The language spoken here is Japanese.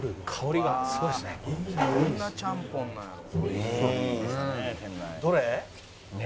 「どんなちゃんぽんなんやろ？」